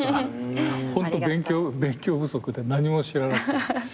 ホント勉強不足で何も知らなくて。